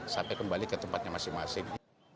sampai kembali ke tempatnya masing masing